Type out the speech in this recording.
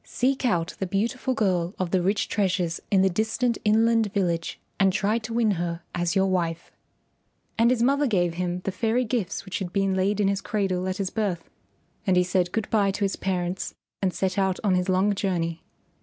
Seek out the beautiful girl of the rich treasures in the distant inland village and try to win her as your wife." And his mother gave him the fairy gifts which had been laid in his cradle at his birth, and he said good bye to his parents and set out on his long journey.